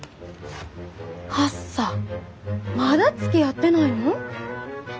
はっさまだつきあってないの？